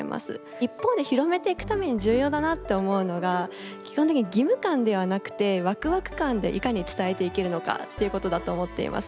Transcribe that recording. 一方で広めていくために重要だなって思うのが基本的に義務感ではなくてワクワク感でいかに伝えていけるのかっていうことだと思っています。